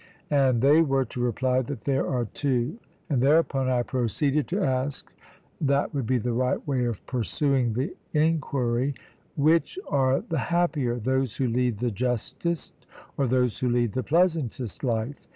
and they were to reply that there are two; and thereupon I proceeded to ask, (that would be the right way of pursuing the enquiry), Which are the happier those who lead the justest, or those who lead the pleasantest life?